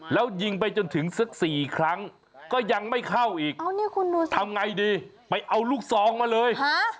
แล้วยิงไปจนถึงสัก๔ครั้งก็ยังไม่เข้าอีกทำไงดีไปเอาลูกซองมาเลย